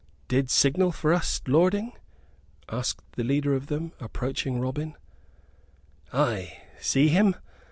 "Didst signal for us, lording?" asked the leader of them, approaching Robin. "Ay, see him!